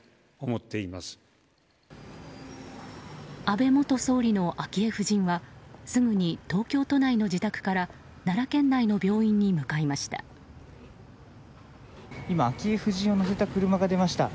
安倍元総理の昭恵夫人はすぐに東京都内の自宅から奈良県内の病院に向かいました。